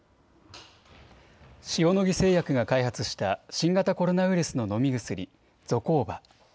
塩野義製薬が開発した新型コロナウイルスの飲み薬、ゾコーバ。